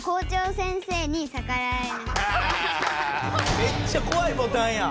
めっちゃこわいボタンやん。